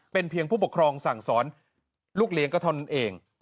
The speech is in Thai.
เป็นเพียงผู้ปกครองสั่งสอนลูกเลี้ยงก็เท่านั้นเอง